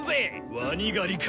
ワニ狩りか！